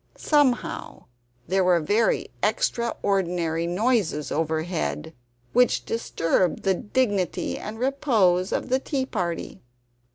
Somehow there were very extra ordinary noises overhead, which disturbed the dignity and repose of the tea party.